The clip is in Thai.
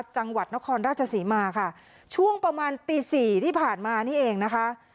จังหวัดนครราชศรีมาค่ะช่วงประมาณตีสี่ที่ผ่านมานี่เองนะคะ